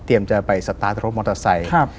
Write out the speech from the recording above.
เตรียมจะไปสตาร์ทรถมอเตอร์ไซค์